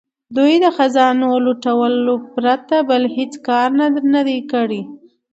دوی د خزانو لوټلو پرته بل هیڅ کار نه دی کړی.